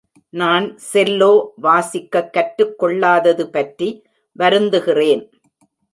நான் செல்லோ வாசிக்கக் கற்றுக் கொள்ளாதது பற்றி வருந்துகிறேன்.